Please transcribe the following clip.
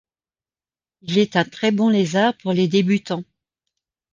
Il est un très bon lézard pour les débutants.